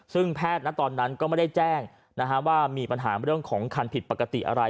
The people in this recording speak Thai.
ซึ่งแพทย์ตอนนั้นก็ไม่ได้แจ้งว่ามีปัญหาเรื่องของคันผิดปกติอะไร